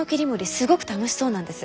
すごく楽しそうなんです。